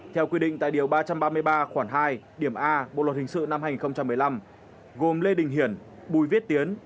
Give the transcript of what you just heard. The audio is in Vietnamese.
theo quy định tại điều ba trăm ba mươi ba khoảng hai điểm a bộ luật hình sự năm hai nghìn một mươi năm gồm lê đình hiển bùi viết tiến